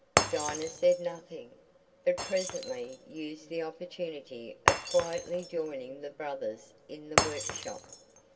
Dinah said nothing, but presently used the opportunity of quietly joining the brothers in the workshop.